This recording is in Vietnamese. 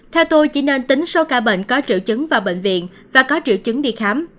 theo tôi chỉ nên tính số ca bệnh có triệu chứng vào bệnh viện và có triệu chứng đi khám